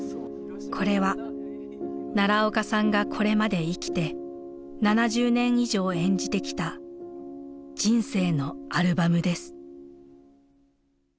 これは奈良岡さんがこれまで生きて７０年以上演じてきた人生のアルバムです。